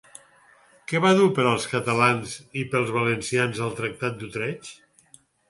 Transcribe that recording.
Què va dur per als catalans i pels valencians el Tractat d'Utrecht?